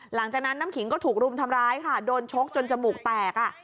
หลังจากนั้นน้ำขิงก็ถูกรุมทำร้ายค่ะโดนชกจนจมูกแตกอ่ะ